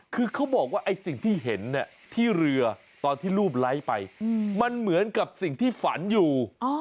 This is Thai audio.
คือเขาบอกว่าไอ้สิ่งที่เห็นที่เรือตอนที่รูปไลค์ไปมันเหมือนกับสิ่งที่ฝันอยู่